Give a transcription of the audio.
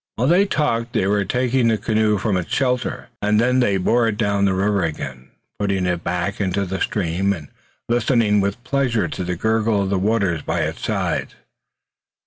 While they talked they were taking the canoe from its shelter, and then they bore it down to the river again, putting it back into the stream and listening with pleasure to the gurgle of the water by its sides.